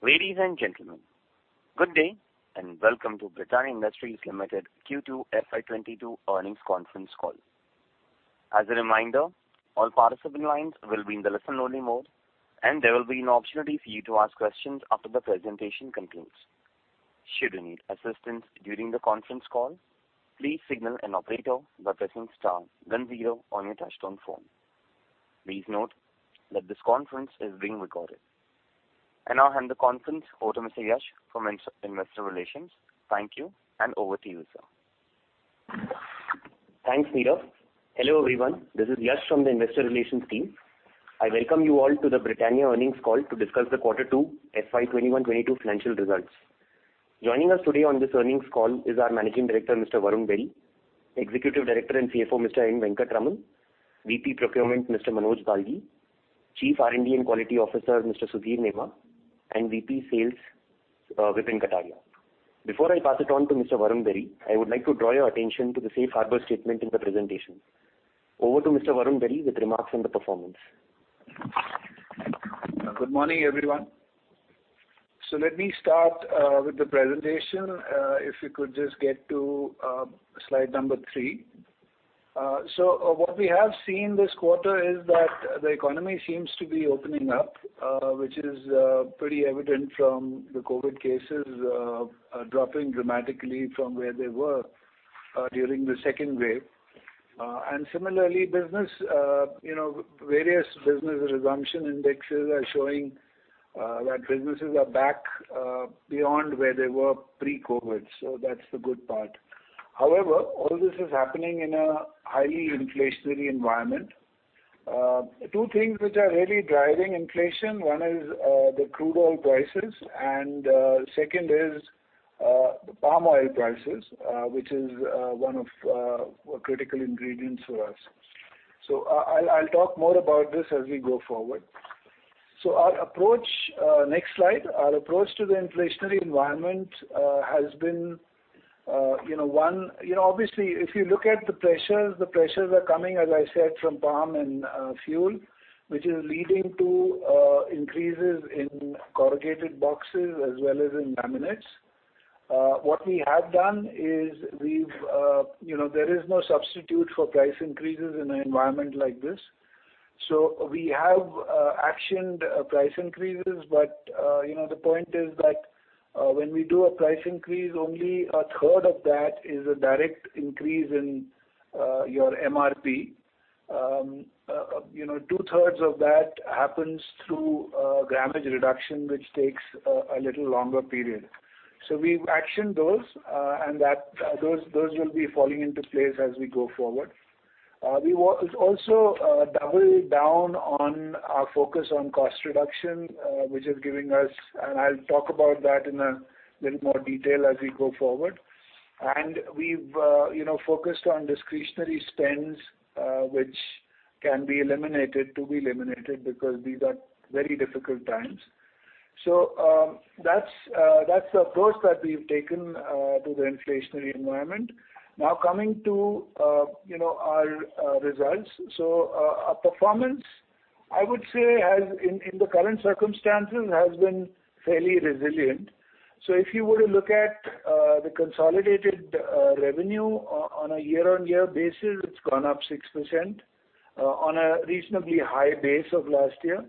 Ladies and gentlemen, good day, and welcome to Britannia Industries Limited Q2 FY 2022 earnings conference call. As a reminder, all participant lines will be in the listen-only mode, and there will be an opportunity for you to ask questions after the presentation concludes. Should you need assistance during the conference call, please signal an operator by pressing star then zero on your touchtone phone. Please note that this conference is being recorded. I now hand the conference over to Mr. Yash from Investor Relations. Thank you, and over to you, sir. Thanks, Neeraj. Hello, everyone. This is Yash from the investor relations team. I welcome you all to the Britannia earnings call to discuss the Q2 FY 2021-22 financial results. Joining us today on this earnings call is our Managing Director, Mr. Varun Berry, Executive Director and CFO, Mr. N. Venkataraman, VP Procurement, Mr. Manoj Balgi, Chief R&D and Quality Officer, Mr. Sudhir Nema, and VP Sales, Vipin Kataria. Before I pass it on to Mr. Varun Berry, I would like to draw your attention to the safe harbor statement in the presentation. Over to Mr. Varun Berry with remarks on the performance. Good morning, everyone. Let me start with the presentation. If you could just get to slide Number three. What we have seen this quarter is that the economy seems to be opening up, which is pretty evident from the COVID cases dropping dramatically from where they were during the second wave. Similarly, business, you know, various business resumption indexes are showing that businesses are back beyond where they were pre-COVID. That's the good part. However, all this is happening in a highly inflationary environment. Two things which are really driving inflation. One is the crude oil prices, and second is the palm oil prices, which is one of critical ingredients for us. I'll talk more about this as we go forward. Our approach... Next slide. Our approach to the inflationary environment has been, you know, obviously, if you look at the pressures, the pressures are coming, as I said, from palm and fuel, which is leading to increases in corrugated boxes as well as in laminates. What we have done is we've, you know, there is no substitute for price increases in an environment like this. We have actioned price increases. You know, the point is that when we do a price increase, only a 1/3 of that is a direct increase in your MRP. You know, 2/3 of that happens through grammage reduction, which takes a little longer period. We've actioned those, and those will be falling into place as we go forward. We also doubled down on our focus on cost reduction, which is giving us. I'll talk about that in a little more detail as we go forward. We've you know, focused on discretionary spends, which can be eliminated because these are very difficult times. That's the approach that we've taken to the inflationary environment. Now coming to you know, our results. Our performance, I would say, has been fairly resilient in the current circumstances. If you were to look at the consolidated revenue on a year-on-year basis, it's gone up 6% on a reasonably high base of last year.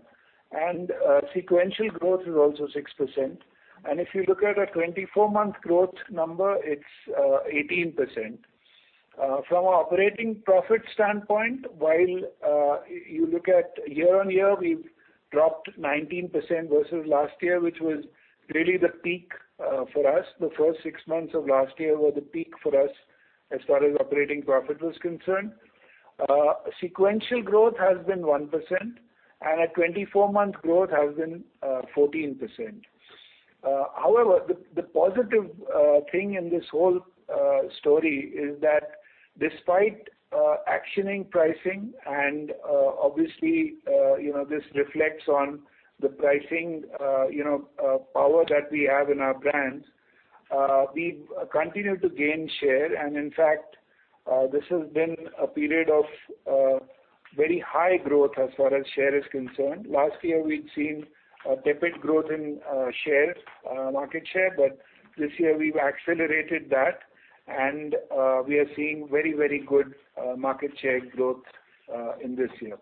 Sequential growth is also 6%. If you look at a 24-month growth number, it's 18%. From an operating profit standpoint, while you look at year-on-year, we've dropped 19% versus last year, which was really the peak for us. The first six months of last year were the peak for us as far as operating profit was concerned. Sequential growth has been 1%, and a 24-month growth has been 14%. However, the positive thing in this whole story is that despite actioning pricing and obviously you know this reflects on the pricing you know power that we have in our brands, we've continued to gain share. In fact, this has been a period of very high growth as far as share is concerned. Last year, we'd seen a tepid growth in market share. This year we've accelerated that, and we are seeing very, very good market share growth in this year.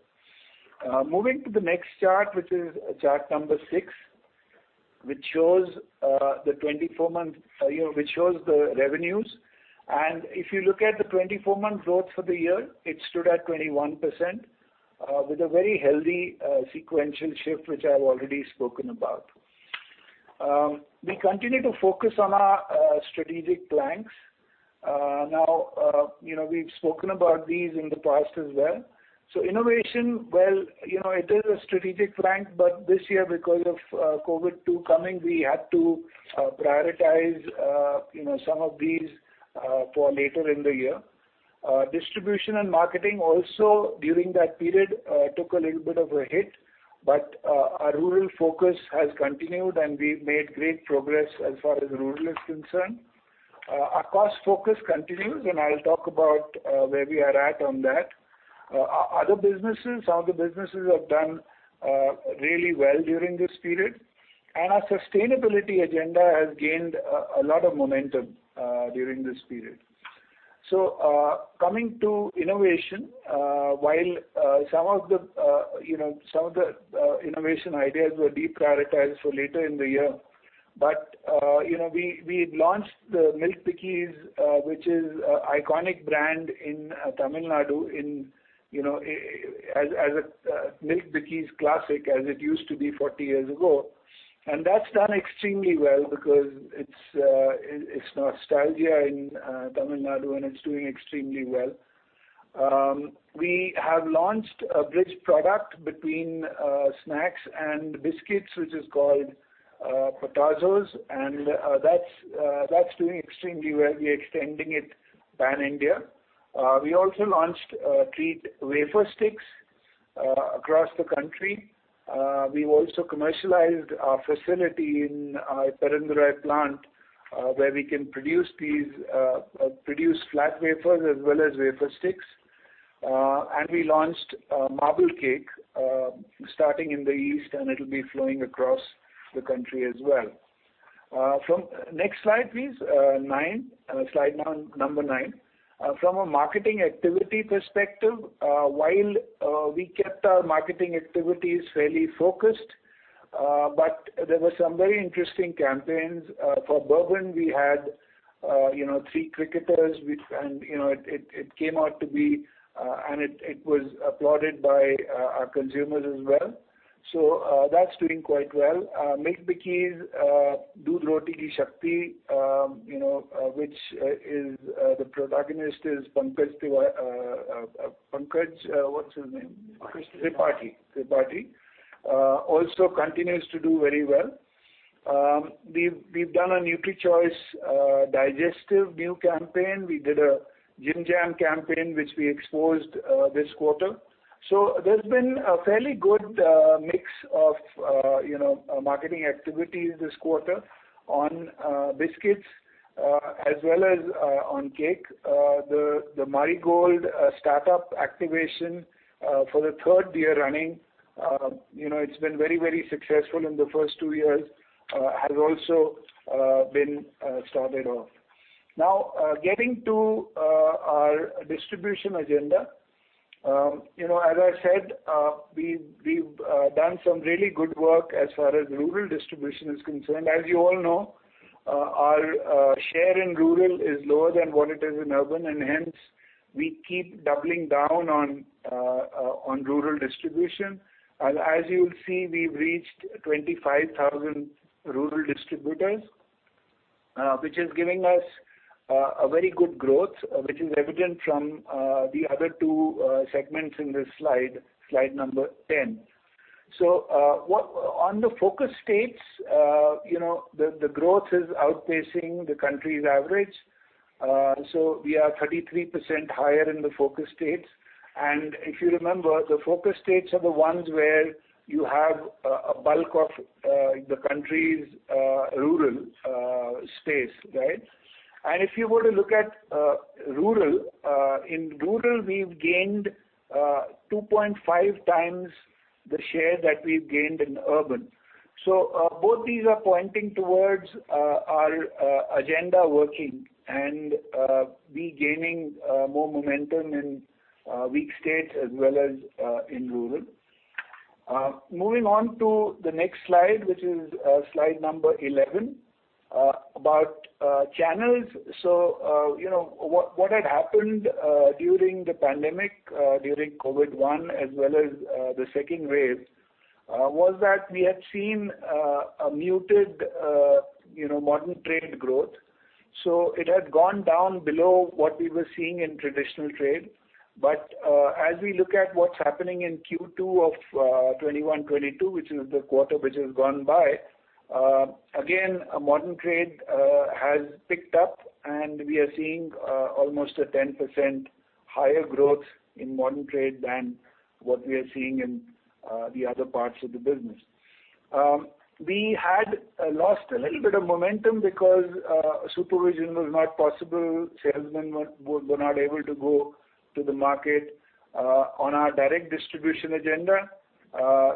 Moving to the next chart, which is chart Number six, which shows the 24-month, you know, which shows the revenues. If you look at the 24-month growth for the year, it stood at 21%, with a very healthy sequential shift, which I've already spoken about. We continue to focus on our strategic planks. You know, we've spoken about these in the past as well. Innovation, well, you know, it is a strategic plank. This year, because of COVID too coming, we had to prioritize, you know, some of these for later in the year. Distribution and marketing also during that period took a little bit of a hit, but our rural focus has continued, and we've made great progress as far as rural is concerned. Our cost focus continues, and I'll talk about where we are at on that. Other businesses, some of the businesses have done really well during this period. Our sustainability agenda has gained a lot of momentum during this period. Coming to innovation, while some of the you know, innovation ideas were deprioritized for later in the year. You know, we launched the Milk Bikis, which is iconic brand in Tamil Nadu, you know, as Milk Bikis Classic as it used to be 40 years ago. That's done extremely well because it's nostalgia in Tamil Nadu, and it's doing extremely well. We have launched a bridge product between snacks and biscuits, which is called Potazos, and that's doing extremely well. We're extending it pan-India. We also launched Treat wafer sticks across the country. We also commercialized our facility in our Perundurai plant, where we can produce these flat wafers as well as wafer sticks. We launched Marble Cake starting in the east, and it'll be flowing across the country as well. Next slide, please. Slide nine. From a marketing activity perspective, while we kept our marketing activities fairly focused, there were some very interesting campaigns. For Bourbon, we had, you know, three cricketers and, you know, it came out to be and it was applauded by our consumers as well. That's doing quite well. Milk Bikis, Doodh Roti ki Shakti, you know, which is the protagonist is Pankaj, what's his name? Tripathi. Tripathi also continues to do very well. We've done a NutriChoice digestive new campaign. We did a Jim Jam campaign, which we exposed this quarter. There's been a fairly good mix of, you know, marketing activities this quarter on biscuits as well as on cake. The Marie Gold startup activation for the third year running, you know, it's been very successful in the first two years, has also been started off. Getting to our distribution agenda. You know, as I said, we've done some really good work as far as rural distribution is concerned. As you all know, our share in rural is lower than what it is in urban, and hence we keep doubling down on rural distribution. As you'll see, we've reached 25,000 rural distributors, which is giving us a very good growth, which is evident from the other two segments in this slide Number 10. On the focus states, you know, the growth is outpacing the country's average. We are 33% higher in the focus states. If you remember, the focus states are the ones where you have a bulk of the country's rural space, right? If you were to look at rural, in rural, we've gained 2.5x the share that we've gained in urban. Both these are pointing towards our agenda working and we gaining more momentum in weak states as well as in rural. Moving on to the next slide, which is slide Number 11, about channels. You know, what had happened during the pandemic, during COVID one as well as the second wave, was that we had seen a muted, you know, modern trade growth. It had gone down below what we were seeing in traditional trade. As we look at what's happening in Q2 of 2021-2022, which is the quarter which has gone by, again, modern trade has picked up, and we are seeing almost a 10% higher growth in modern trade than what we are seeing in the other parts of the business. We had lost a little bit of momentum because supervision was not possible. Salesmen were not able to go to the market. On our direct distribution agenda,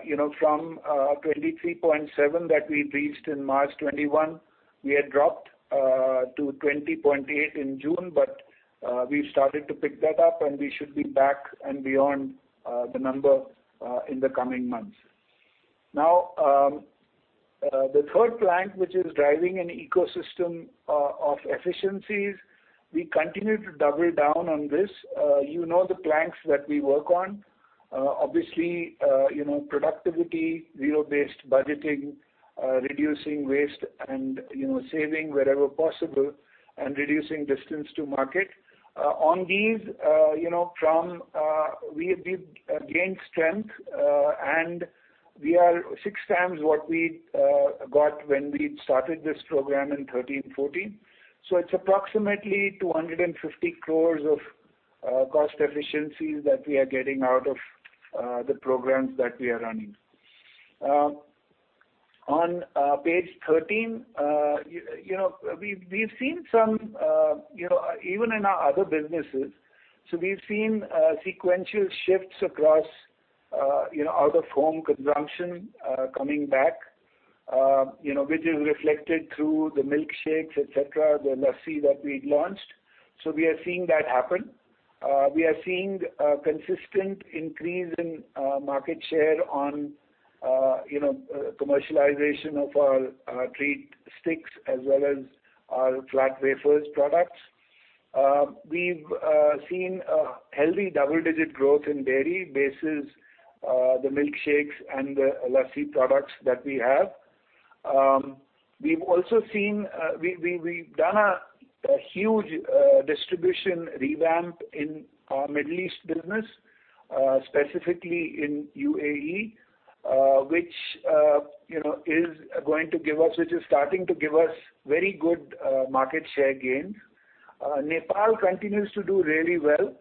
you know, from 23.7 that we reached in March 2021, we had dropped to 20.8 in June. We've started to pick that up, and we should be back and beyond the number in the coming months. Now, the third plank, which is driving an ecosystem of efficiencies, we continue to double down on this. You know the planks that we work on. Obviously, you know, productivity, zero-based budgeting, reducing waste and, you know, saving wherever possible and reducing distance to market. On these, you know, we have gained strength, and we are 6x what we'd got when we'd started this program in 2013-2014. So it's approximately 250 crore of cost efficiencies that we are getting out of the programs that we are running. On Page 13, you know, we've seen some, you know, even in our other businesses. We've seen sequential shifts across, you know, out of home consumption coming back, you know, which is reflected through the milkshakes, et cetera, the lassi that we'd launched. We are seeing that happen. We are seeing a consistent increase in market share on, you know, commercialization of our Treat Stix as well as our flat wafers products. We've seen a healthy double-digit growth in dairy business, the milkshakes and the lassi products that we have. We've also seen we've done a huge distribution revamp in our Middle East business, specifically in UAE, which is starting to give us very good market share gains. Nepal continues to do really well.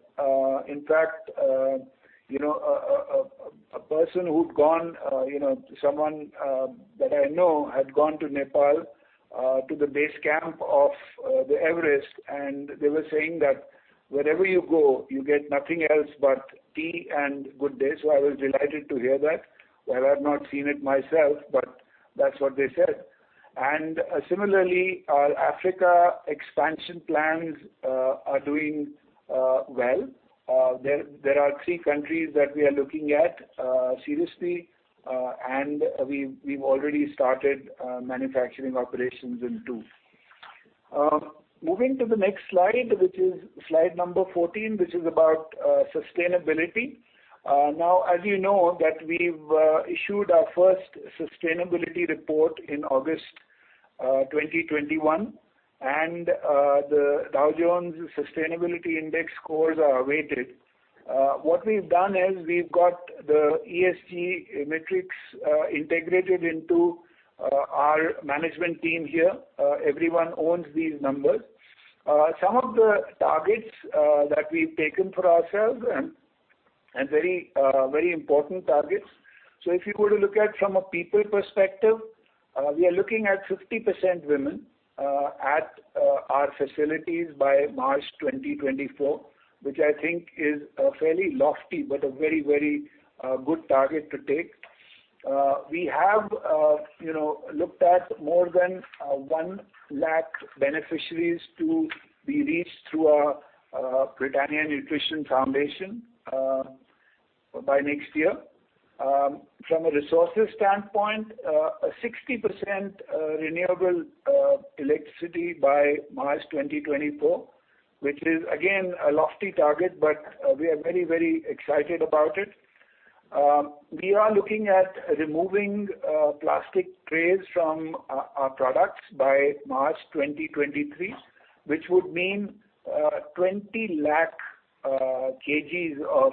In fact, you know, a person who'd gone, you know, someone that I know had gone to Nepal, to the base camp of the Everest, and they were saying that wherever you go, you get nothing else but tea and Good Day. So I was delighted to hear that, while I've not seen it myself, but that's what they said. Similarly, our Africa expansion plans are doing well. There are three countries that we are looking at seriously, and we've already started manufacturing operations in two. Moving to the next slide, which is slide Number 14, which is about sustainability. Now as you know that we've issued our first sustainability report in August 2021, and the Dow Jones Sustainability Index scores are weighted. What we've done is we've got the ESG metrics integrated into our management team here. Everyone owns these numbers. Some of the targets that we've taken for ourselves and very important targets. If you were to look at from a people perspective, we are looking at 50% women at our facilities by March 2024, which I think is a fairly lofty, but a very good target to take. We have, you know, looked at more than 1 lakh beneficiaries to be reached through our Britannia Nutrition Foundation by next year. From a resources standpoint, a 60% renewable electricity by March 2024, which is again, a lofty target, but we are very excited about it. We are looking at removing plastic trays from our products by March 2023, which would mean 20 lakh kg of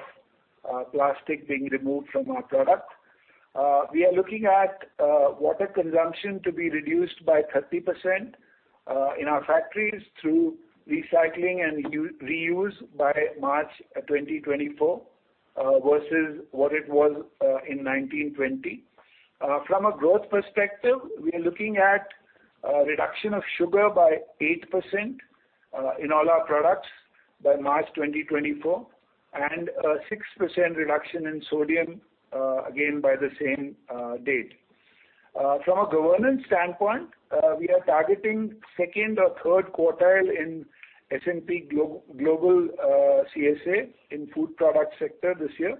plastic being removed from our products. We are looking at water consumption to be reduced by 30% in our factories through recycling and reuse by March 2024 versus what it was in 2020. From a health perspective, we are looking at a reduction of sugar by 8% in all our products by March 2024, and a 6% reduction in sodium again by the same date. From a governance standpoint, we are targeting second or third quartile in S&P Global CSA in food product sector this year.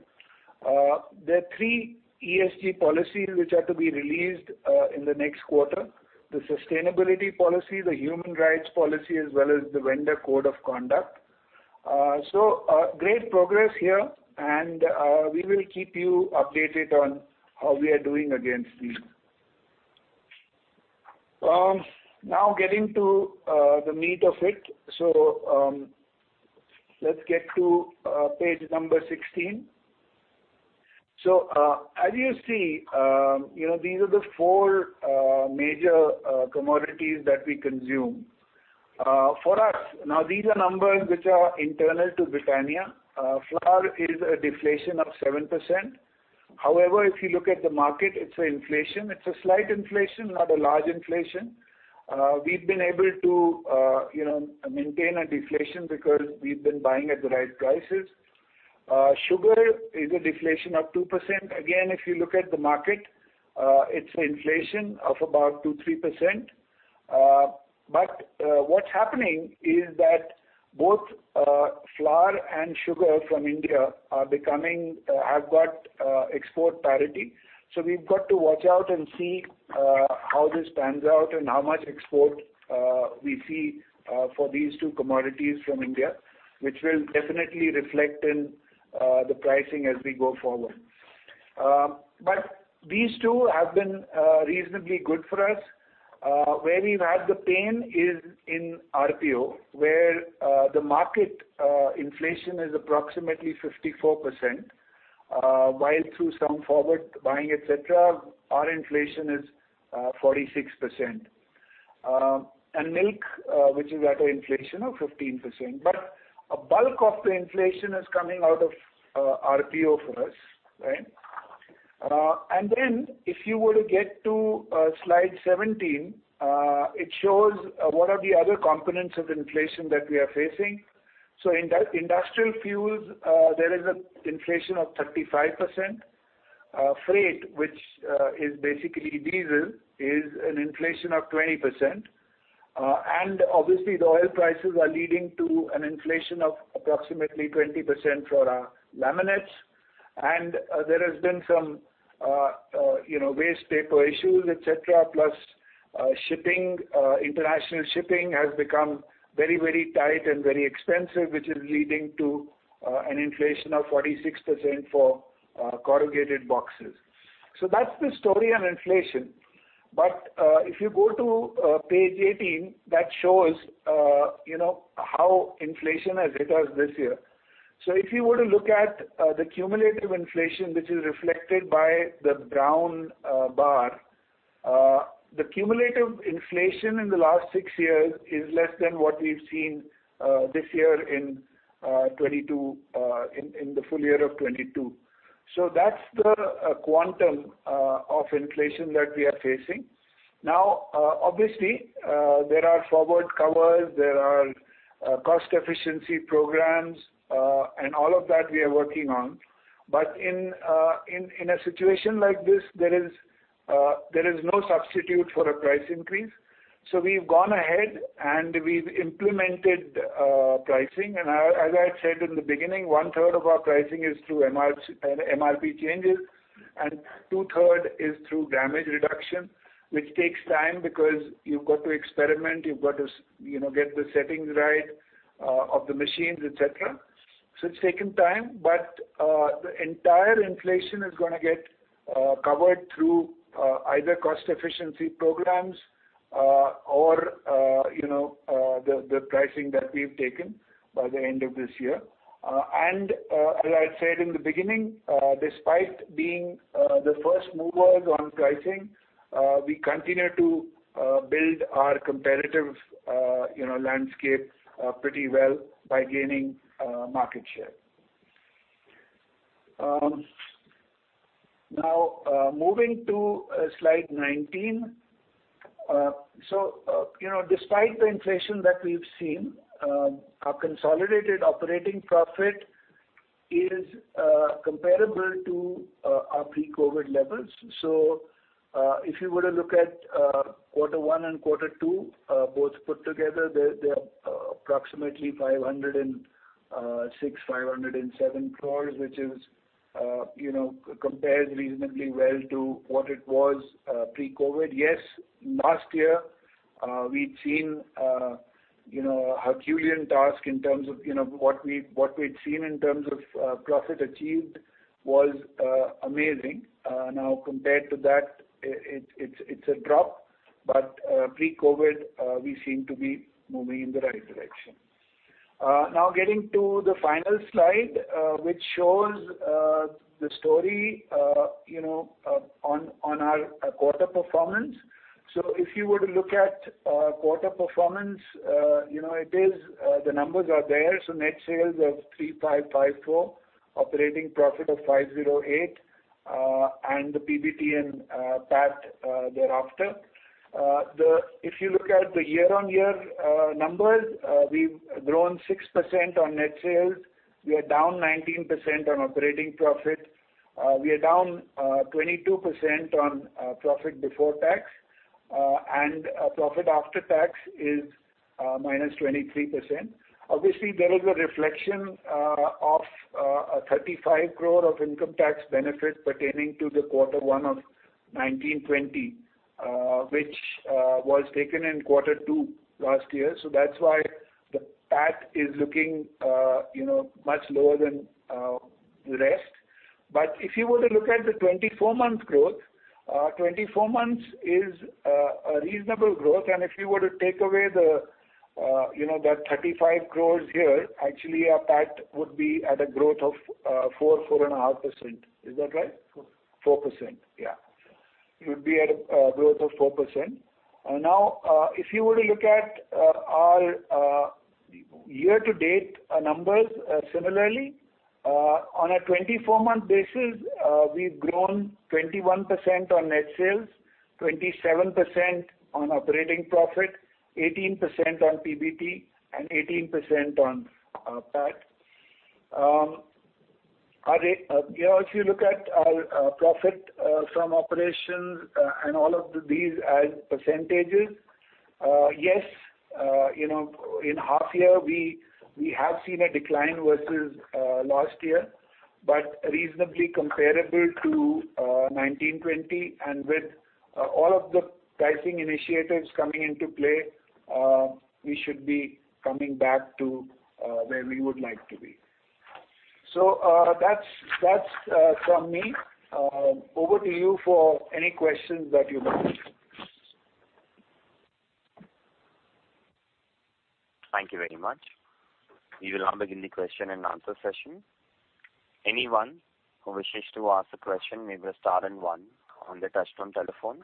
There are three ESG policies which are to be released in the next quarter. The sustainability policy, the human rights policy, as well as the vendor code of conduct. Great progress here, and we will keep you updated on how we are doing against these. Getting to the meat of it. Let's get to page Number 16. As you see, you know, these are the four major commodities that we consume. For us, these are numbers which are internal to Britannia. Flour is a deflation of 7%. However, if you look at the market, it's an inflation. It's a slight inflation, not a large inflation. We've been able to, you know, maintain a deflation because we've been buying at the right prices. Sugar is a deflation of 2%. Again, if you look at the market, it's inflation of about 2%-3%. What's happening is that both flour and sugar from India have got export parity. We've got to watch out and see how this pans out and how much export we see for these two commodities from India, which will definitely reflect in the pricing as we go forward. These two have been reasonably good for us. Where we've had the pain is in RPO, where the market inflation is approximately 54%, while through some forward buying, et cetera, our inflation is 46%, and milk, which is at an inflation of 15%. A bulk of the inflation is coming out of RPO for us, right? Then if you were to get to Slide 17, it shows what are the other components of inflation that we are facing. Industrial fuels, there is an inflation of 35%. Freight, which is basically diesel, is an inflation of 20%. Obviously, the oil prices are leading to an inflation of approximately 20% for our laminates. There has been some you know, waste paper issues, et cetera. Plus, shipping, international shipping has become very, very tight and very expensive, which is leading to an inflation of 46% for corrugated boxes. That's the story on inflation. If you go to Page 18, that shows you know, how inflation has hit us this year. If you were to look at the cumulative inflation, which is reflected by the brown bar, the cumulative inflation in the last six years is less than what we've seen this year in 2022, in the full year of 2022. That's the quantum of inflation that we are facing. Now, obviously, there are forward covers, there are cost efficiency programs, and all of that we are working on. In a situation like this, there is no substitute for a price increase. We've gone ahead and we've implemented pricing. As I had said in the beginning, 1/3 of our pricing is through MRP changes, and two third is through damage reduction, which takes time because you've got to experiment, you've got to you know, get the settings right, of the machines, et cetera. It's taken time, but the entire inflation is gonna get covered through either cost efficiency programs, or you know, the pricing that we've taken by the end of this year. As I said in the beginning, despite being the first movers on pricing, we continue to build our competitive you know, landscape pretty well by gaining market share. Now, moving to Slide 19. You know, despite the inflation that we've seen, our consolidated operating profit is comparable to our pre-COVID levels. If you were to look at quarter one and quarter two, both put together, they're approximately 506-507 crore, which, you know, compares reasonably well to what it was pre-COVID. Yes, last year, we'd seen, you know, a herculean task in terms of what we'd seen in terms of profit achieved was amazing. Now compared to that, it's a drop. Pre-COVID, we seem to be moving in the right direction. Now getting to the final slide, which shows the story, you know, on our quarter performance. If you were to look at quarter performance, you know, it is, the numbers are there. Net sales of 3,554 crore, operating profit of 508 crore, and the PBT and PAT thereafter. If you look at the year-on-year numbers, we've grown 6% on net sales. We are down 19% on operating profit. We are down 22% on profit before tax. And profit after tax is -23%. Obviously, there is a reflection of a 35 crore income tax benefit pertaining to quarter one of FY 2019-2020, which was taken in quarter two last year. That's why the PAT is looking, you know, much lower than the rest. If you were to look at the 24-month growth, 24 months is a reasonable growth. If you were to take away, you know, that 35 crore here, actually our PAT would be at a growth of 4.5%. Is that right? Four. 4%. Yeah. It would be at a growth of 4%. Now, if you were to look at our year-to-date numbers, similarly, on a 24-month basis, we've grown 21% on net sales, 27% on operating profit, 18% on PBT, and 18% on PAT. You know, if you look at our profit from operations and all of these as percentages, yes, you know, in half year, we have seen a decline versus last year, but reasonably comparable to 2019-2020. With all of the pricing initiatives coming into play, we should be coming back to where we would like to be. That's from me. Over to you for any questions that you might have. Thank you very much. We will now begin the question-and-answer session. Anyone who wishes to ask a question may press star and one on the touchtone telephone.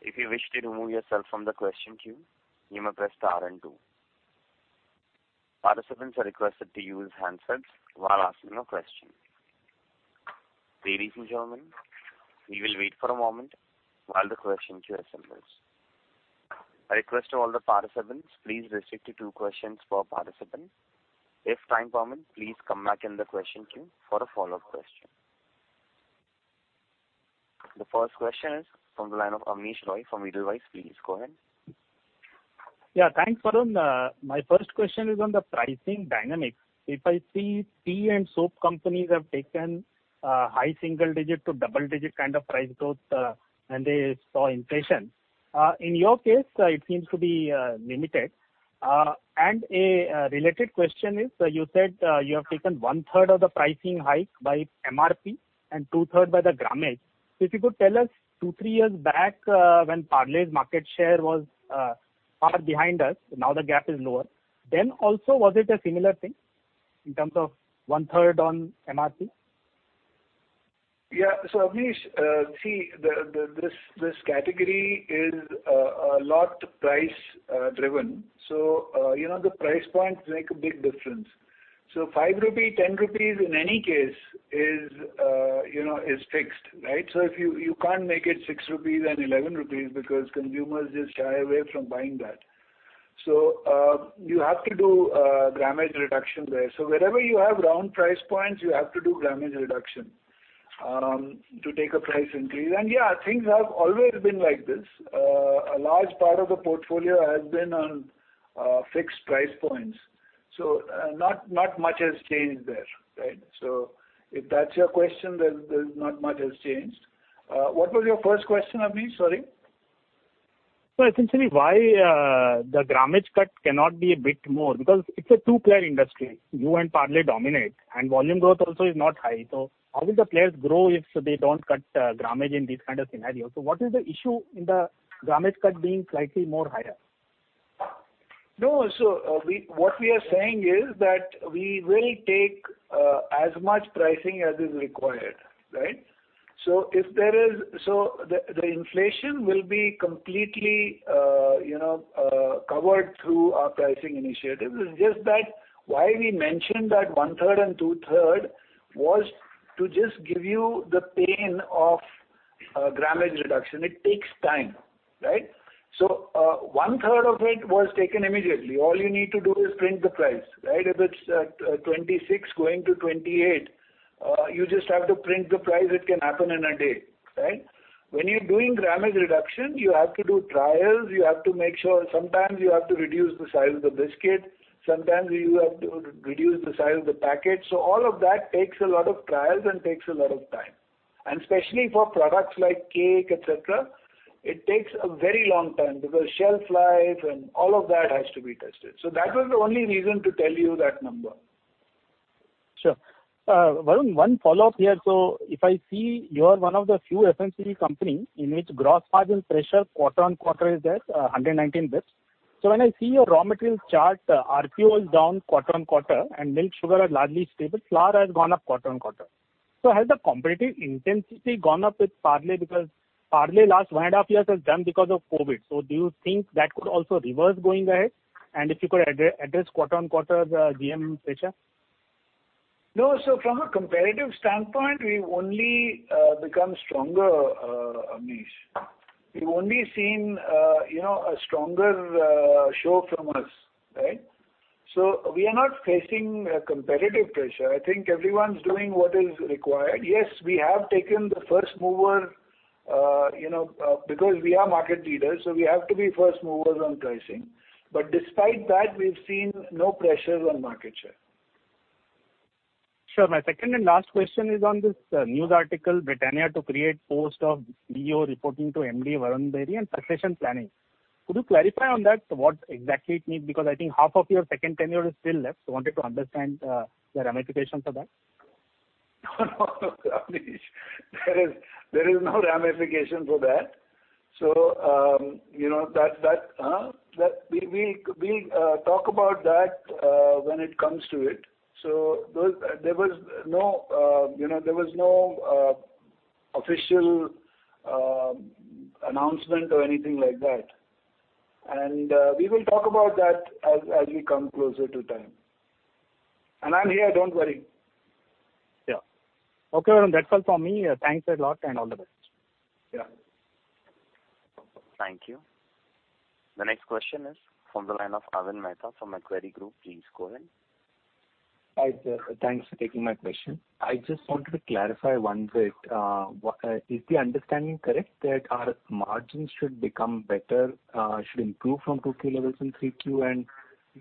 If you wish to remove yourself from the question queue, you may press star and two. Participants are requested to use handsets while asking a question. Ladies and gentlemen, we will wait for a moment while the question queue assembles. A request to all the participants, please restrict to two questions per participant. If time permits, please come back in the question queue for a follow-up question. The first question is from the line of Abneesh Roy from Edelweiss. Please go ahead. Yeah. Thanks, Varun. My first question is on the pricing dynamics. If I see tea and soap companies have taken high single digit to double digit kind of price growth, and they saw inflation. In your case, it seems to be limited. A related question is, you said you have taken one third of the pricing hike by MRP and two third by the grammage. If you could tell us two, three years back, when Parle's market share was far behind us, now the gap is lower, then also was it a similar thing in terms of one third on MRP? Yeah. Abneesh, this category is a lot price driven. You know, the price points make a big difference. 5 rupees, 10 rupees in any case is you know, is fixed, right? If you can't make it 6 rupees and 11 rupees because consumers just shy away from buying that. You have to do grammage reduction there. Wherever you have round price points, you have to do grammage reduction to take a price increase. Yeah, things have always been like this. A large part of the portfolio has been on fixed price points, so not much has changed there, right? If that's your question, then not much has changed. What was your first question, Abneesh? Sorry. Essentially why the grammage cut cannot be a bit more because it's a two-player industry. You and Parle dominate, and volume growth also is not high. How will the players grow if they don't cut grammage in this kind of scenario? What is the issue in the grammage cut being slightly more higher? No. What we are saying is that we will take as much pricing as is required, right? The inflation will be completely covered through our pricing initiatives. It's just that why we mentioned that 1/3 and 2/3 was to just give you the pain of grammage reduction. It takes time, right? One third of it was taken immediately. All you need to do is print the price, right? If it's 26 going to 28, you just have to print the price. It can happen in a day, right? When you're doing grammage reduction, you have to do trials. You have to make sure. Sometimes you have to reduce the size of the biscuit. Sometimes you have to reduce the size of the package. All of that takes a lot of trials and takes a lot of time. Especially for products like cake, et cetera, it takes a very long time because shelf life and all of that has to be tested. That was the only reason to tell you that number. Sure. Varun, one follow-up here. If I see you are one of the few FMCG company in which gross margin pressure quarter-on-quarter is at 119 basis points. When I see your raw materials chart, RPO is down quarter-on-quarter and milk, sugar are largely stable. Flour has gone up quarter-on-quarter. Has the competitive intensity gone up with Parle? Because Parle last one and a half years has done because of COVID. Do you think that could also reverse going ahead? If you could address quarter-on-quarter the GM pressure. No. From a competitive standpoint, we've only become stronger, Abneesh. You've only seen, you know, a stronger show from us, right? We are not facing a competitive pressure. I think everyone's doing what is required. Yes, we have taken the first mover, you know, because we are market leaders, so we have to be first movers on pricing. Despite that, we've seen no pressures on market share. Sure. My second and last question is on this news article, Britannia to create post of CEO reporting to MD Varun Berry and succession planning. Could you clarify on that what exactly it means? Because I think half of your second tenure is still left. Wanted to understand the ramification for that. No, no, Abneesh. There is no ramification for that. You know, that we'll talk about that when it comes to it. There was no official announcement or anything like that. We will talk about that as we come closer to time. I'm here, don't worry. Yeah. Okay, Varun. That's all from me. Thanks a lot and all the best. Yeah. Thank you. The next question is from the line of Arvind Mehta from Equirus Group. Please go ahead. Hi, sir. Thanks for taking my question. I just wanted to clarify one bit. Is the understanding correct that our margins should become better, should improve from 2Q levels in 3Q and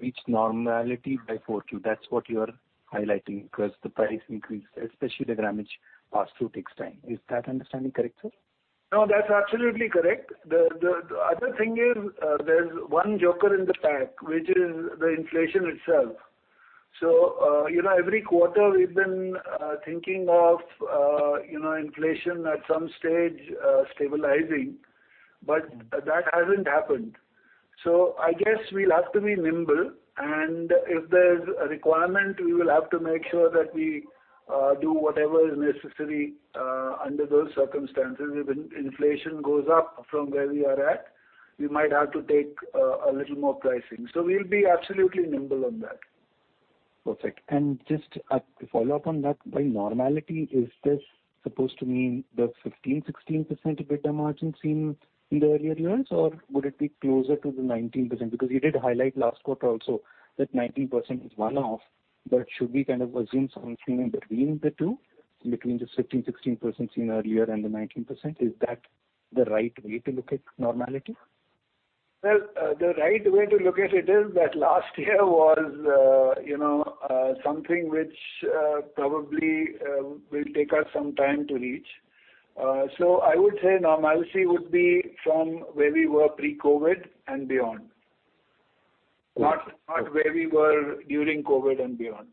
reach normality by 4Q? That's what you are highlighting because the price increase, especially the grammage pass-through takes time. Is that understanding correct, sir? No, that's absolutely correct. The other thing is, there's one joker in the pack, which is the inflation itself. You know, every quarter we've been thinking of, you know, inflation at some stage stabilizing, but that hasn't happened. I guess we'll have to be nimble, and if there's a requirement, we will have to make sure that we do whatever is necessary under those circumstances. If inflation goes up from where we are at, we might have to take a little more pricing. We'll be absolutely nimble on that. Perfect. Just a follow-up on that. By normality, is this supposed to mean the 15%-16% EBITDA margin seen in the earlier years, or would it be closer to the 19%? Because you did highlight last quarter also that 19% is one-off, but should we kind of assume something in between the two, between the 15%-16% seen earlier and the 19%? Is that the right way to look at normality? Well, the right way to look at it is that last year was, you know, something which, probably, will take us some time to reach. I would say normality would be from where we were pre-COVID and beyond. Okay. Not where we were during COVID and beyond.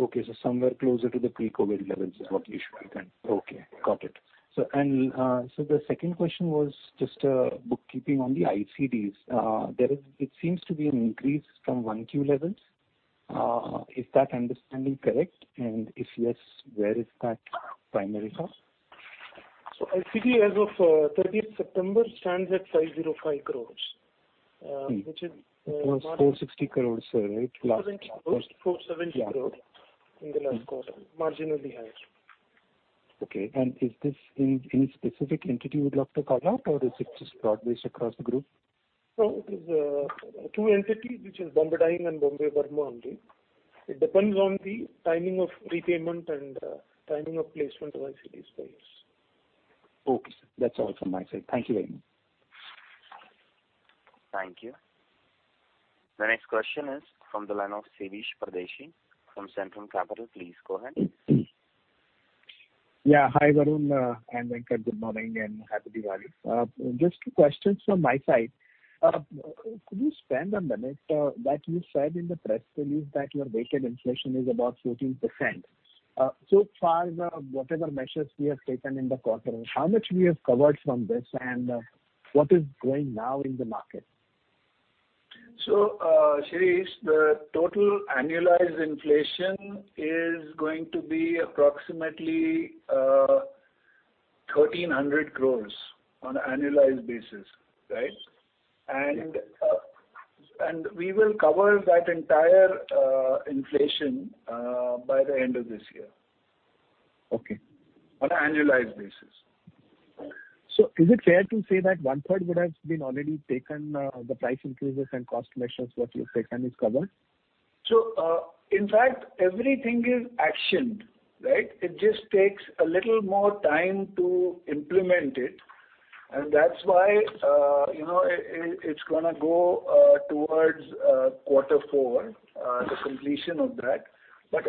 Okay. Somewhere closer to the pre-COVID levels is what we should be then. Okay. Got it. The second question was just bookkeeping on the ICDs. It seems to be an increase from 1Q levels. Is that understanding correct? If yes, where is that primary cost? ICD as of 30th September stands at 505 crore. Which is not- It was 460 crores, right? Four seventy crores. Four seventy crores. Yeah. In the last quarter. Marginally higher. Okay. Is this any specific entity you would love to call out, or is it just broad-based across the group? No, it is two entities, which is Bombay Burmah and Bombay Burmah only. It depends on the timing of repayment and timing of placement of ICD space. Okay. That's all from my side. Thank you very much. Thank you. The next question is from the line of Shirish Pardeshi from Centrum Capital. Please go ahead. Yeah. Hi, Varun, and Venkat. Good morning, and happy Diwali. Just two questions from my side. Could you expand on the bit that you said in the press release that your weighted inflation is about 14%. So far now, whatever measures we have taken in the quarter, how much we have covered from this and what is going now in the market? Shirish, the total annualized inflation is going to be approximately 1,300 crore on an annualized basis, right? And we will cover that entire inflation by the end of this year. Okay. On an annualized basis. Is it fair to say that one-third would have been already taken, the price increases and cost measures what you have taken is covered? In fact, everything is actioned, right? It just takes a little more time to implement it, and that's why, you know, it's gonna go towards quarter four, the completion of that.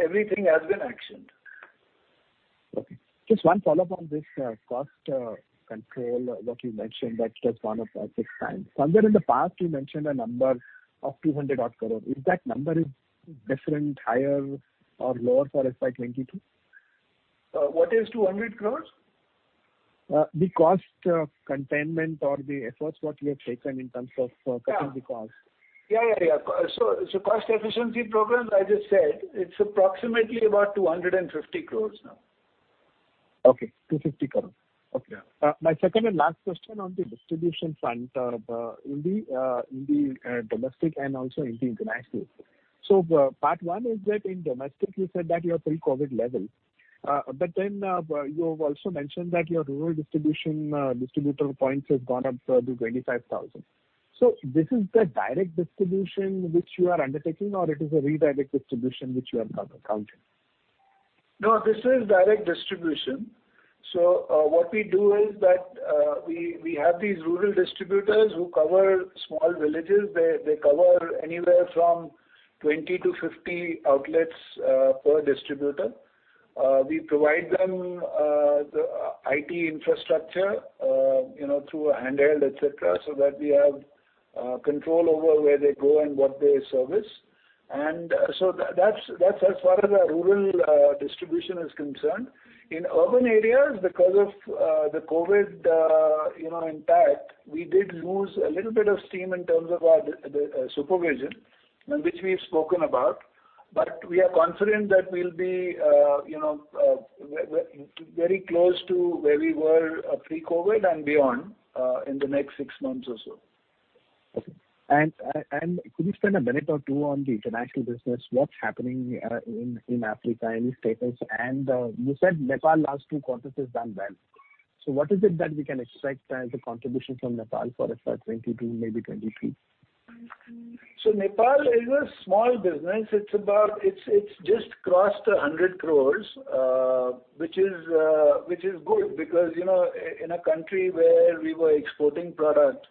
Everything has been actioned. Okay. Just one follow-up on this, cost control, what you mentioned that it has gone up by 6x. Somewhere in the past you mentioned a number of 200-odd crore. If that number is different, higher or lower for FY 2022? What is 200 crore? The cost containment or the efforts what you have taken in terms of. Yeah. cutting the cost. Yeah. Cost efficiency programs, I just said it's approximately about 250 crore now. Okay. 250 crores. Okay. Yeah. My second and last question on the distribution front, in the domestic and also in the international. Part one is that in domestic you said that you're pre-COVID level. But then, you have also mentioned that your rural distribution, distributor points has gone up to 25,000. This is the direct distribution which you are undertaking or it is an indirect distribution which you have now accounted? No, this is direct distribution. What we do is that we have these rural distributors who cover small villages. They cover anywhere from 20-50 outlets per distributor. We provide them the IT infrastructure, you know, through a handheld, et cetera, so that we have control over where they go and what they service. That's as far as our rural distribution is concerned. In urban areas, because of the COVID, you know, impact, we did lose a little bit of steam in terms of our direct supervision, which we've spoken about. We are confident that we'll be, you know, very close to where we were pre-COVID and beyond in the next six months or so. Could you spend a minute or two on the international business, what's happening in Africa, any status? You said Nepal last two quarters has done well. What is it that we can expect as a contribution from Nepal for 2022, maybe 2023? Nepal is a small business. It's just crossed 100 crore, which is good because, you know, in a country where we were exporting product,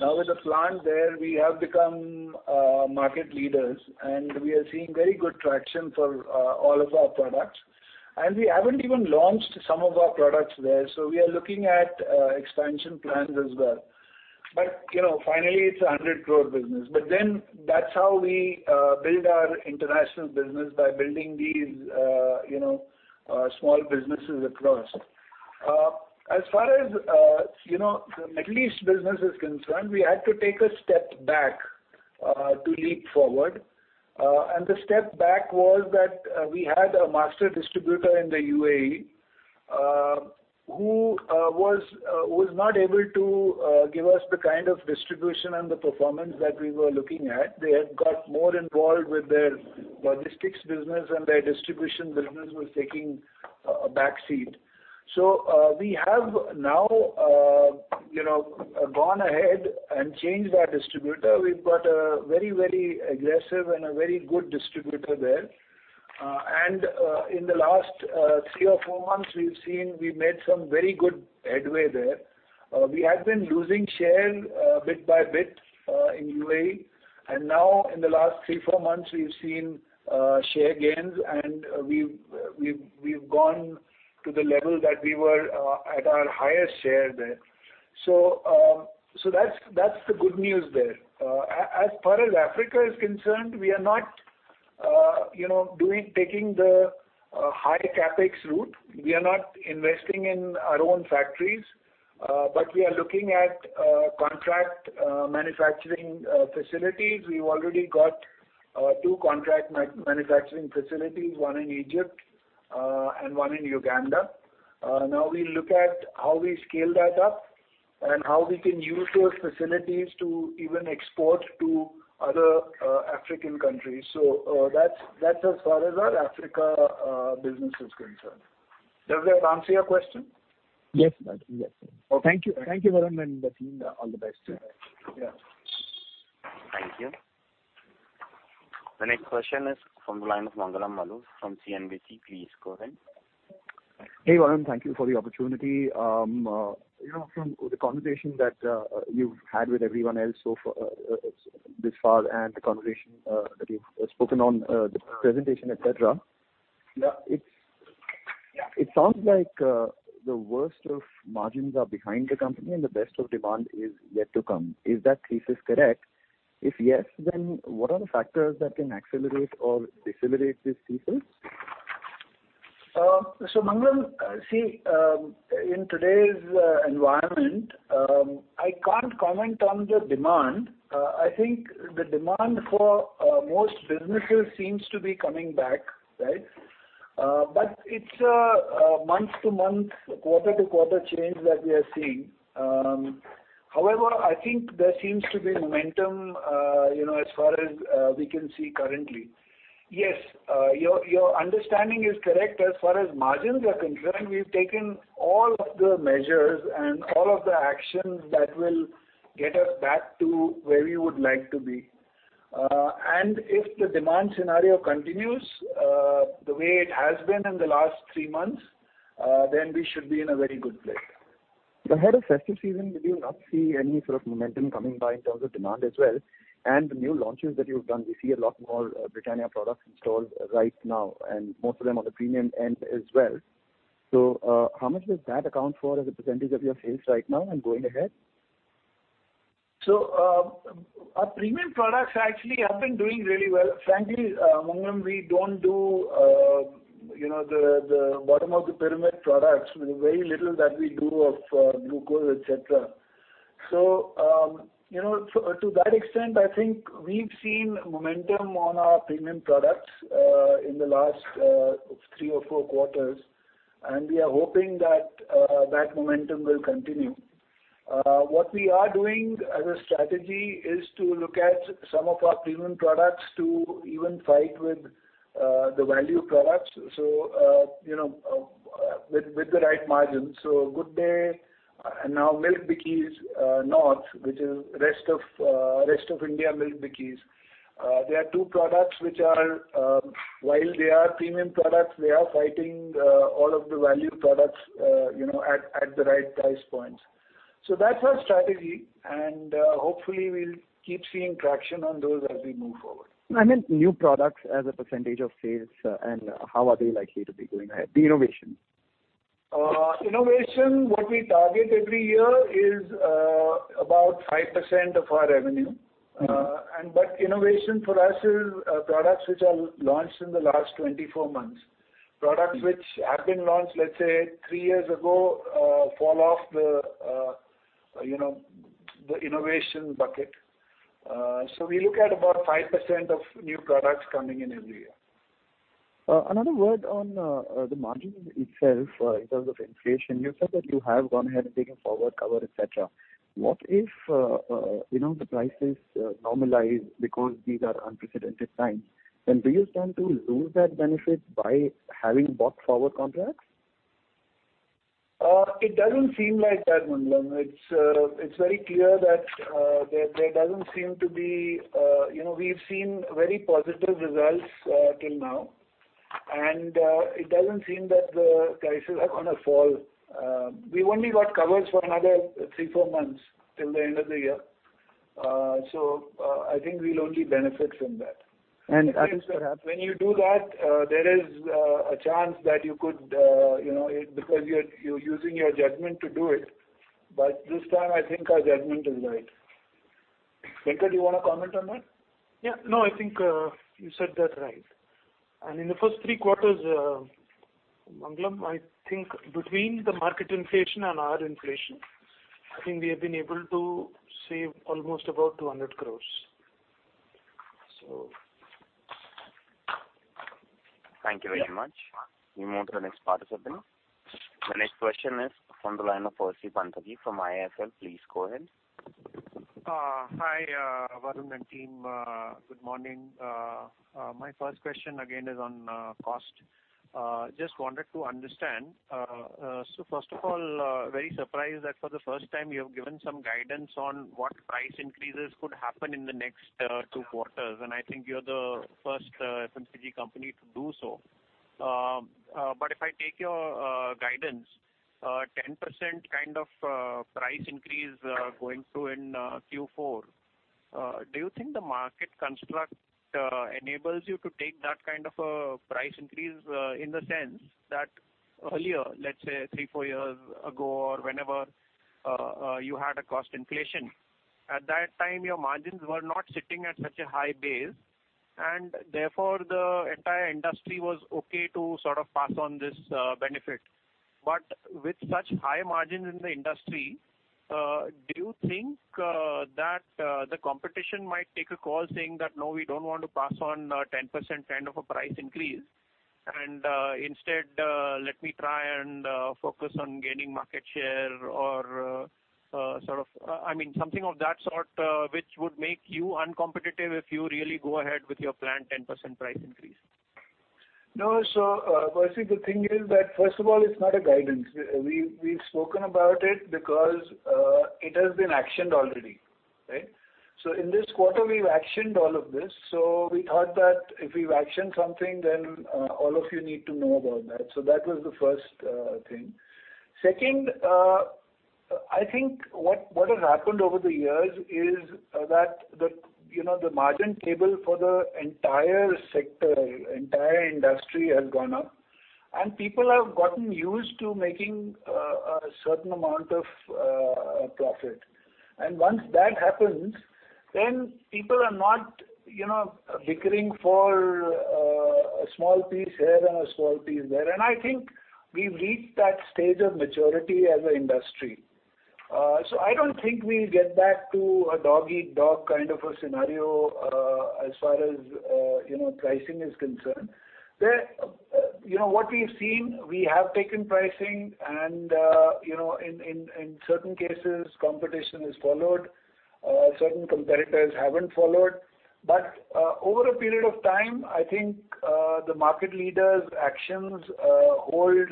now with a plant there, we have become market leaders, and we are seeing very good traction for all of our products. We haven't even launched some of our products there, so we are looking at expansion plans as well. You know, finally, it's an 100 crore business. That's how we build our international business by building these, you know, small businesses across. As far as the Middle East business is concerned, we had to take a step back to leap forward. The step back was that we had a master distributor in the UAE, who was not able to give us the kind of distribution and the performance that we were looking at. They had got more involved with their logistics business and their distribution business was taking a back seat. We have now, you know, gone ahead and changed our distributor. We've got a very aggressive and a very good distributor there. In the last 3 or 4 months, we've made some very good headway there. We had been losing share bit by bit in UAE. Now in the last 3, 4 months, we've seen share gains, and we've gone to the level that we were at our highest share there. That's the good news there. As far as Africa is concerned, we are not taking the high CapEx route. We are not investing in our own factories, but we are looking at contract manufacturing facilities. We've already got two contract manufacturing facilities, one in Egypt and one in Uganda. Now we look at how we scale that up and how we can use those facilities to even export to other African countries. That's as far as our Africa business is concerned. Does that answer your question? Yes. That's it. Yes. Okay. Thank you. Thank you, Varun and the team. All the best. Yeah. Thank you. The next question is from the line of Mangalam Maloo from CNBC. Please go ahead. Hey, Varun. Thank you for the opportunity. You know, from the conversation that you've had with everyone else so far and the conversation that you've spoken on the presentation, et cetera. Yeah. It's- Yeah. It sounds like the worst of margins are behind the company and the best of demand is yet to come. Is that thesis correct? If yes, then what are the factors that can accelerate or decelerate this thesis? Mangalam, in today's environment, I can't comment on the demand. I think the demand for most businesses seems to be coming back, right? It's a month-to-month, quarter-to-quarter change that we are seeing. However, I think there seems to be momentum, you know, as far as we can see currently. Yes, your understanding is correct. As far as margins are concerned, we've taken all of the measures and all of the actions that will get us back to where we would like to be. If the demand scenario continues the way it has been in the last three months, then we should be in a very good place. Ahead of festive season, did you not see any sort of momentum coming by in terms of demand as well? The new launches that you've done, we see a lot more, Britannia products in stores right now, and most of them are the premium end as well. So, how much does that account for as a percentage of your sales right now and going ahead? Our premium products actually have been doing really well. Frankly, Mangalam, we don't do, you know, the bottom of the pyramid products with very little that we do of glucose, et cetera. To that extent, I think we've seen momentum on our premium products in the last three or four quarters, and we are hoping that that momentum will continue. What we are doing as a strategy is to look at some of our premium products to even fight with the value products, you know, with the right margins. Good Day and now Milk Bikis North, which is rest of India Milk Bikis. They are two products which are, while they are premium products, they are fighting all of the value products, you know, at the right price points. That's our strategy, and hopefully we'll keep seeing traction on those as we move forward. I meant new products as a percentage of sales, and how are they likely to be going ahead? The innovation. Innovation, what we target every year is about 5% of our revenue. Mm-hmm. Innovation for us is products which are launched in the last 24 months. Mm-hmm. Products which have been launched, let's say three years ago, fall off the, you know, the innovation bucket. We look at about 5% of new products coming in every year. Another word on the margin itself, in terms of inflation. You said that you have gone ahead and taken forward cover, et cetera. What if, you know, the prices normalize because these are unprecedented times? Then do you stand to lose that benefit by having bought forward contracts? It doesn't seem like that, Mangalam. It's very clear that you know, we've seen very positive results till now, and it doesn't seem that the prices are gonna fall. We've only got covers for another 3-4 months till the end of the year. I think we'll only benefit from that. I think so. When you do that, there is a chance that you could, you know, because you're using your judgment to do it. This time, I think our judgment is right. Venkat, do you wanna comment on that? Yeah. No, I think you said that right. In the first three quarters, Mangalam, I think between the market inflation and our inflation, I think we have been able to save almost about 200 crores. Thank you very much. We move to the next participant. The next question is from the line of Percy Panthaki from IIFL. Please go ahead. Hi, Varun and team. Good morning. My first question again is on cost. Just wanted to understand, so first of all, very surprised that for the first time you have given some guidance on what price increases could happen in the next two quarters. I think you're the first FMCG company to do so. If I take your guidance, 10% kind of price increase going through in Q4, do you think the market construct enables you to take that kind of a price increase, in the sense that earlier, let's say three, four years ago or whenever, you had a cost inflation, at that time, your margins were not sitting at such a high base, and therefore, the entire industry was okay to sort of pass on this benefit? With such high margins in the industry, do you think that the competition might take a call saying that, No, we don't want to pass on a 10% kind of a price increase, and instead, let me try and focus on gaining market share or sort of. I mean, something of that sort, which would make you uncompetitive if you really go ahead with your planned 10% price increase? No. Percy Panthaki, the thing is that, first of all, it's not a guidance. We've spoken about it because it has been actioned already, right? In this quarter, we've actioned all of this, so we thought that if we've actioned something, then all of you need to know about that. That was the first thing. Second, I think what has happened over the years is that the, you know, the margin table for the entire sector, entire industry has gone up, and people have gotten used to making a certain amount of profit. Once that happens, then people are not, you know, bickering for a small piece here and a small piece there. I think we've reached that stage of maturity as an industry. I don't think we'll get back to a dog-eat-dog kind of a scenario, as far as, you know, pricing is concerned. You know, what we've seen, we have taken pricing and, you know, in certain cases, competition has followed. Certain competitors haven't followed. Over a period of time, I think, the market leaders' actions hold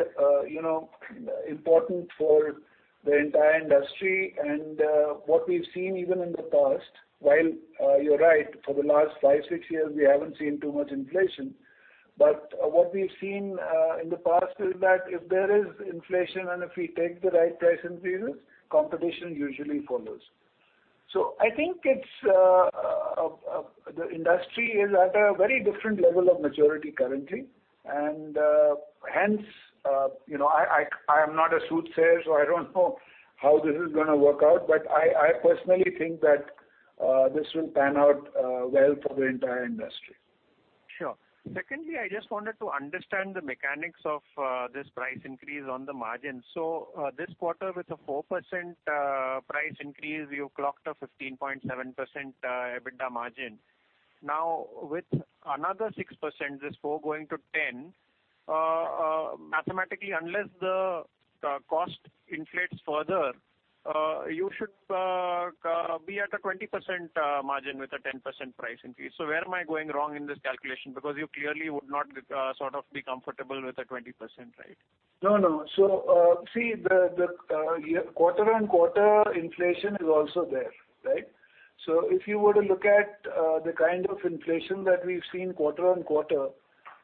important for the entire industry. What we've seen even in the past, while you're right, for the last five, six years, we haven't seen too much inflation, but what we've seen in the past is that if there is inflation and if we take the right price increases, competition usually follows. I think it's the industry is at a very different level of maturity currently, and hence you know I'm not a soothsayer, so I don't know how this is gonna work out. I personally think that this will pan out well for the entire industry. Sure. Secondly, I just wanted to understand the mechanics of this price increase on the margin. This quarter, with a 4% price increase, you clocked a 15.7% EBITDA margin. Now, with another 6%, this 4 going to 10 mathematically, unless the cost inflates further, you should be at a 20% margin with a 10% price increase. Where am I going wrong in this calculation? Because you clearly would not sort of be comfortable with a 20%, right? No, no. See, the quarter-on-quarter inflation is also there, right? If you were to look at the kind of inflation that we've seen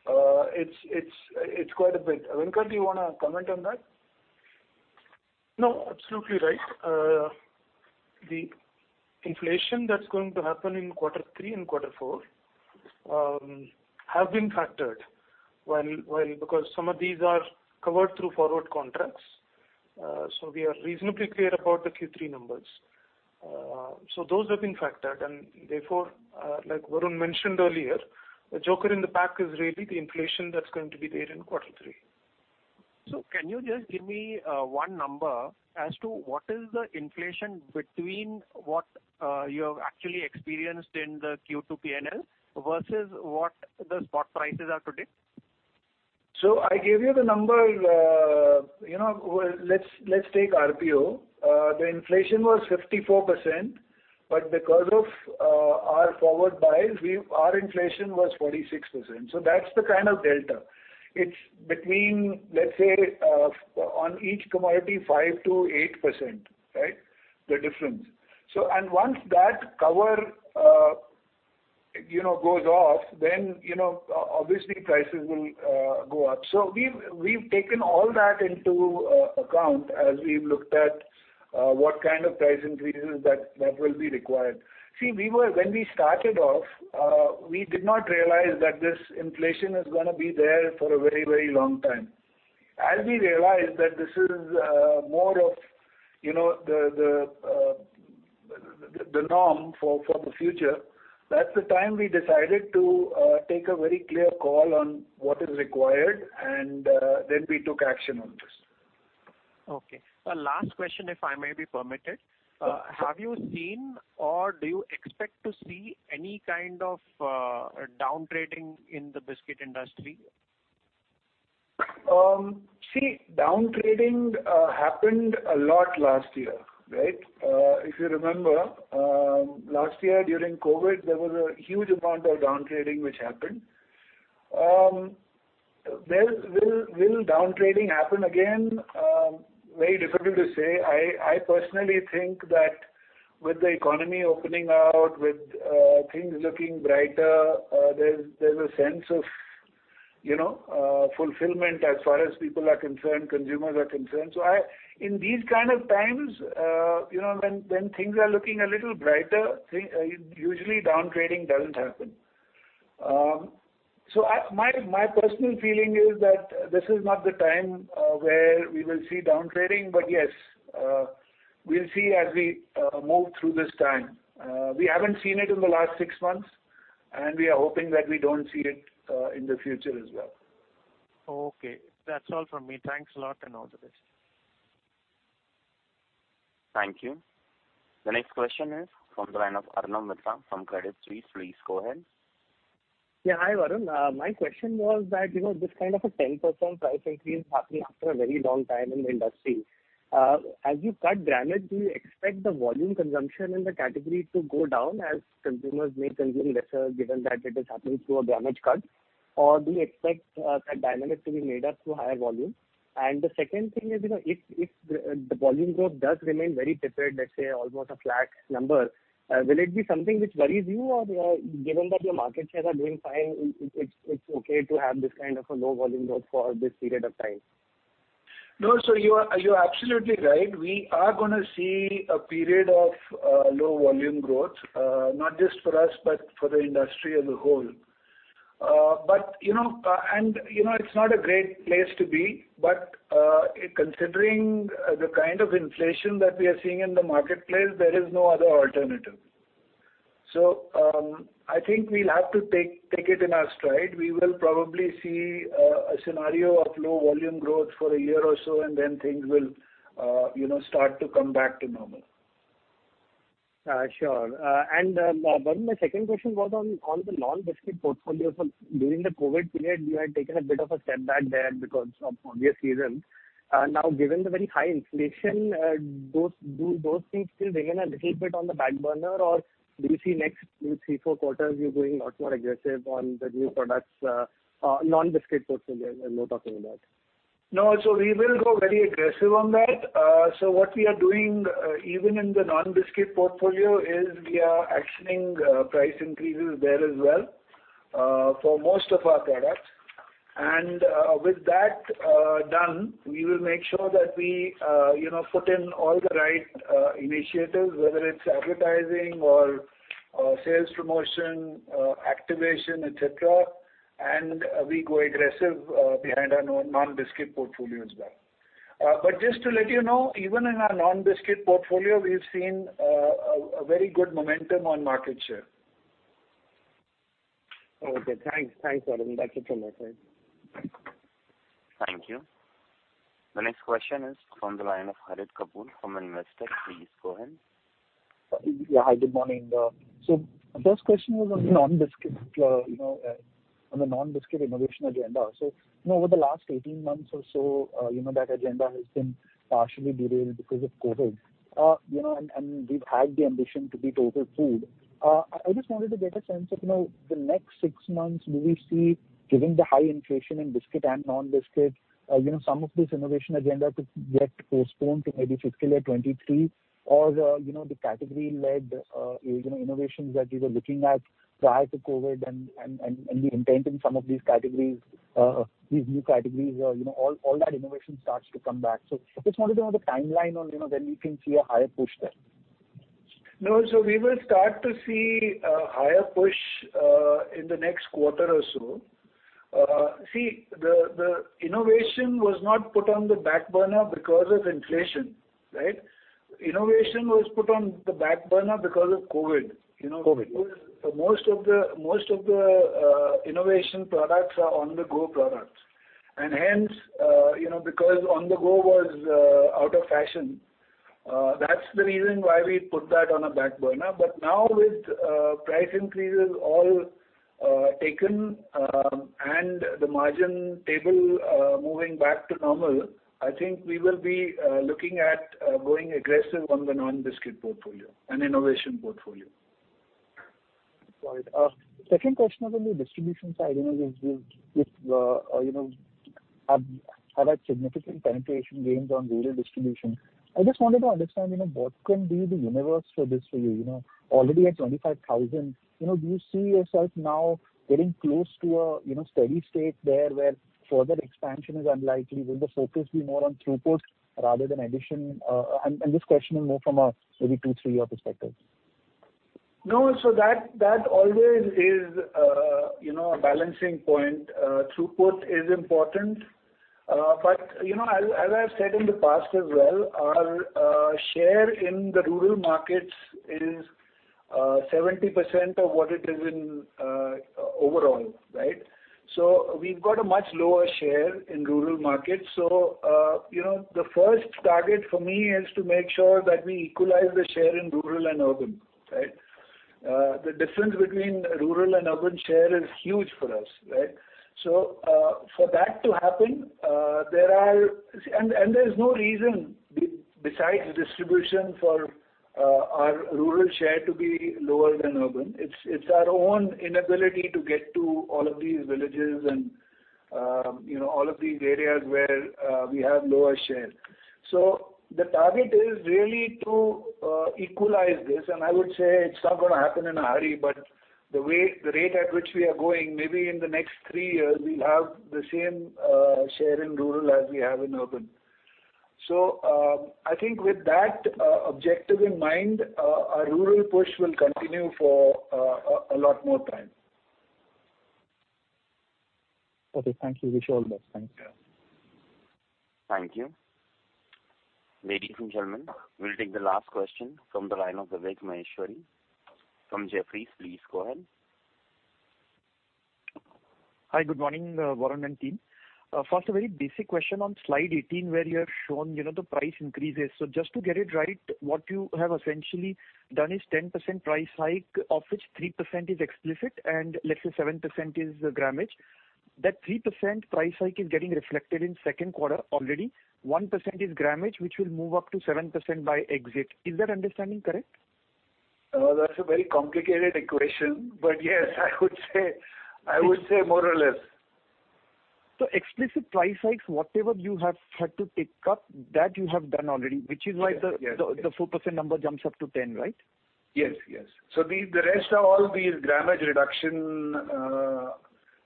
quarter-on-quarter, it's quite a bit. Venkat, do you wanna comment on that? No, absolutely right. The inflation that's going to happen in quarter three and quarter four have been factored because some of these are covered through forward contracts. So we are reasonably clear about the Q3 numbers. So those have been factored, and therefore, like Varun mentioned earlier, the joker in the pack is really the inflation that's going to be there in quarter three. Can you just give me one number as to what is the inflation between what you have actually experienced in the Q2 P&L versus what the spot prices are today? I gave you the number. You know, let's take RPO. The inflation was 54%, but because of our forward buys, our inflation was 46%. That's the kind of data. It's between, let's say, on each commodity, 5%-8%, right? The difference. Once that cover, you know, goes off, then, you know, obviously prices will go up. We've taken all that into account as we've looked at what kind of price increases that will be required. See, when we started off, we did not realize that this inflation is gonna be there for a very, very long time. As we realized that this is more of, you know, the norm for the future, that's the time we decided to take a very clear call on what is required and then we took action on this. Okay. Last question, if I may be permitted. Sure. Have you seen or do you expect to see any kind of down-trading in the biscuit industry? See, down-trading happened a lot last year, right? If you remember, last year during COVID, there was a huge amount of down-trading which happened. Will down-trading happen again? Very difficult to say. I personally think that with the economy opening out, with things looking brighter, there's a sense of, you know, fulfillment as far as people are concerned, consumers are concerned. In these kind of times, you know, when things are looking a little brighter, usually down-trading doesn't happen. My personal feeling is that this is not the time where we will see down-trading, but yes, we'll see as we move through this time. We haven't seen it in the last six months, and we are hoping that we don't see it in the future as well. Okay. That's all from me. Thanks a lot, and all the best. Thank you. The next question is from the line of Arnab Mitra from Credit Suisse. Please go ahead. Yeah, hi, Varun. My question was that, you know, this kind of a 10% price increase happening after a very long time in the industry. As you cut grammage, do you expect the volume consumption in the category to go down as consumers may consume less, given that it is happening through a grammage cut? Or do you expect that dynamic to be made up through higher volume? The second thing is, you know, if the volume growth does remain very tapered, let's say almost a flat number, will it be something which worries you or, given that your market shares are doing fine, it's okay to have this kind of a low volume growth for this period of time? No. You are, you're absolutely right. We are gonna see a period of low volume growth, not just for us, but for the industry as a whole. You know, and you know, it's not a great place to be. Considering the kind of inflation that we are seeing in the marketplace, there is no other alternative. I think we'll have to take it in our stride. We will probably see a scenario of low volume growth for a year or so, and then things will, you know, start to come back to normal. Sure. Varun, my second question was on the non-biscuit portfolio. During the COVID period, you had taken a bit of a step back there because of obvious reasons. Now, given the very high inflation, those, do those things still remain a little bit on the back burner, or do you see next two, three, four quarters you're going a lot more aggressive on the new products, non-biscuit portfolio I'm more talking about? No. We will go very aggressive on that. What we are doing, even in the non-biscuit portfolio is we are actioning price increases there as well for most of our products. With that done, we will make sure that we you know put in all the right initiatives, whether it's advertising or sales promotion, activation, et cetera, and we go aggressive behind our non-biscuit portfolio as well. Just to let you know, even in our non-biscuit portfolio, we've seen a very good momentum on market share. Okay, thanks. Thanks, Varun. That's it from my side. Thank you. The next question is from the line of Harit Kapoor from Investec. Please go ahead. Hi, good morning. First question was on non-biscuit, you know, on the non-biscuit innovation agenda. You know, over the last 18 months or so, you know, that agenda has been partially derailed because of COVID. You know, and we've had the ambition to be total food. I just wanted to get a sense of, you know, the next 6 months, do we see, given the high inflation in biscuit and non-biscuit, you know, some of this innovation agenda to get postponed to maybe FY 2023? Or, you know, the category-led, you know, innovations that you were looking at prior to COVID and the intent in some of these categories, these new categories, you know, all that innovation starts to come back. I just wanted to know the timeline on, you know, when we can see a higher push there. No. We will start to see a higher push in the next quarter or so. The innovation was not put on the back burner because of inflation, right? Innovation was put on the back burner because of COVID, you know. COVID. Most of the innovation products are on-the-go products. Hence, you know, because on the go was out of fashion, that's the reason why we put that on a back burner. Now with price increases all taken and the margins stable moving back to normal, I think we will be looking at going aggressive on the non-biscuit portfolio and innovation portfolio. Got it. Second question was on the distribution side. You know, with we have had significant penetration gains on rural distribution. I just wanted to understand, you know, what can be the universe for this for you know? Already at 25,000, you know, do you see yourself now getting close to a steady state there where further expansion is unlikely? Will the focus be more on throughput rather than addition? And this question is more from a maybe two, three-year perspective. No. That always is, you know, a balancing point. Throughput is important. You know, as I've said in the past as well, our share in the rural markets is 70% of what it is in overall, right? We've got a much lower share in rural markets. You know, the first target for me is to make sure that we equalize the share in rural and urban, right? The difference between rural and urban share is huge for us, right? For that to happen, there's no reason besides distribution for our rural share to be lower than urban. It's our own inability to get to all of these villages and, you know, all of these areas where we have lower share. The target is really to equalize this, and I would say it's not gonna happen in a hurry, but the rate at which we are going, maybe in the next three years we'll have the same share in rural as we have in urban. I think with that objective in mind, our rural push will continue for a lot more time. Okay. Thank you. Wish you all the best. Thanks. Yeah. Thank you. Ladies and gentlemen, we'll take the last question from the line of Vivek Maheshwari from Jefferies. Please go ahead. Hi, good morning, Varun and team. First, a very basic question on Slide 18 where you have shown, you know, the price increases. Just to get it right, what you have essentially done is 10% price hike, of which 3% is explicit and let's say 7% is grammage. That 3% price hike is getting reflected in second quarter already. 1% is grammage, which will move up to 7% by exit. Is that understanding correct? That's a very complicated equation, but yes, I would say more or less. Explicit price hikes, whatever you have had to pick up, that you have done already, which is why. Yes. Yes. Yes. The 4% number jumps up to 10%, right? Yes. The rest are all these grammage reduction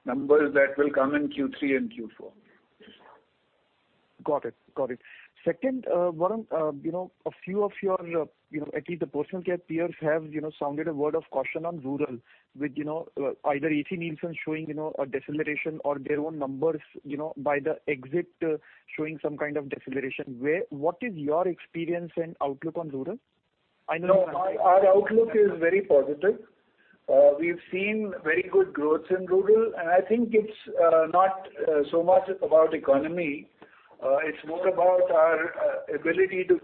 numbers that will come in Q3 and Q4. Got it. Second, Varun, you know, a few of your, you know, at least the personal care peers have, you know, sounded a word of caution on rural with, you know, either AC Nielsen showing, you know, a deceleration or their own numbers, you know, by the exit showing some kind of deceleration, where. What is your experience and outlook on rural? I know- No, our outlook is very positive. We've seen very good growths in rural, and I think it's not so much about economy, it's more about our ability to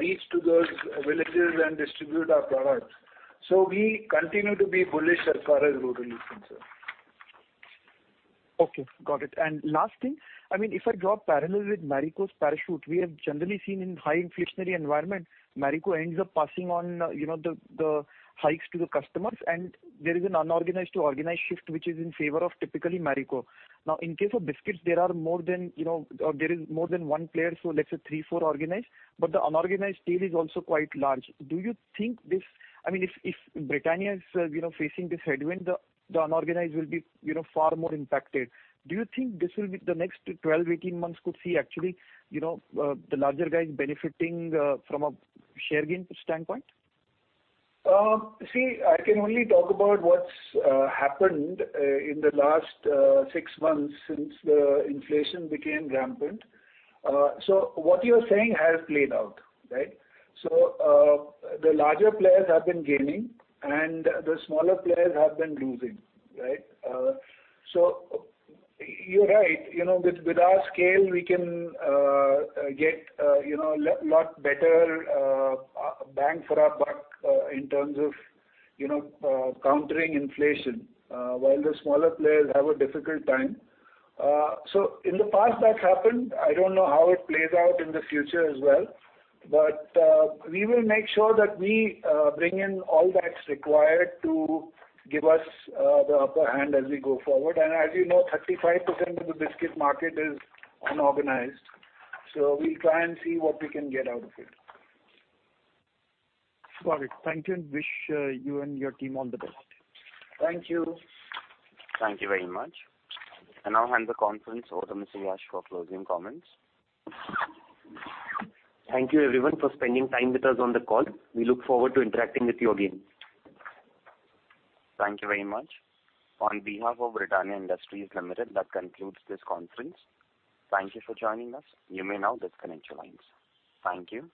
reach to those villages and distribute our products. We continue to be bullish as far as rural is concerned. Okay. Got it. Last thing, I mean, if I draw a parallel with Marico's Parachute, we have generally seen in high inflationary environment, Marico ends up passing on the hikes to the customers, and there is an unorganized to organized shift, which is in favor of typically Marico. Now, in case of biscuits, there are more than one player, so let's say three, four organized, but the unorganized tail is also quite large. Do you think this I mean, if Britannia is facing this headwind, the unorganized will be far more impacted. Do you think this will be the next 12, 18 months could see actually the larger guys benefiting from a share gain standpoint? See, I can only talk about what's happened in the last six months since the inflation became rampant. What you're saying has played out, right? The larger players have been gaining and the smaller players have been losing, right? You're right. You know, with our scale, we can get you know, lot better bang for our buck in terms of you know, countering inflation while the smaller players have a difficult time. In the past that's happened. I don't know how it plays out in the future as well. We will make sure that we bring in all that's required to give us the upper hand as we go forward. As you know, 35% of the biscuit market is unorganized, so we'll try and see what we can get out of it. Got it. Thank you, and wish you and your team all the best. Thank you. Thank you very much. I now hand the conference over to Mr. Yash for closing comments. Thank you, everyone, for spending time with us on the call. We look forward to interacting with you again. Thank you very much. On behalf of Britannia Industries Limited, that concludes this conference. Thank you for joining us. You may now disconnect your lines. Thank you.